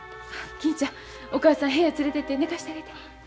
金ちゃんお母さん部屋へ連れていって寝かしてあげて。